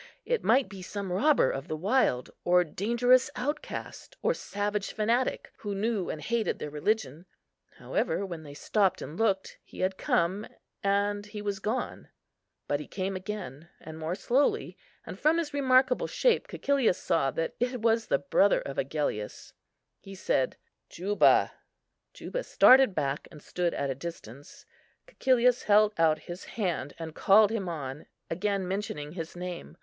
It might be some robber of the wild, or dangerous outcast, or savage fanatic, who knew and hated their religion; however, while they stopped and looked, he had come, and he was gone. But he came again, more slowly; and from his remarkable shape Cæcilius saw that it was the brother of Agellius. He said, "Juba;" Juba started back, and stood at a distance. Cæcilius held out his hand, and called him on, again mentioning his name.